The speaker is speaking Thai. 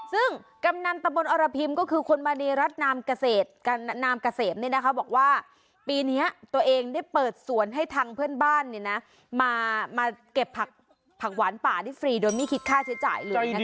ซึ่งกำนันตะบนอรพิมก็คือคุณมณีรัฐนามเกษมบอกว่าปีนี้ตัวเองได้เปิดสวนให้ทางเพื่อนบ้านมาเก็บผักหวานป่าได้ฟรีโดยไม่คิดค่าใช้จ่ายเลยนะคะ